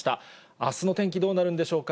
あすの天気どうなるんでしょうか。